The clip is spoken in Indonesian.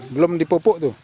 belum dipupuk tuh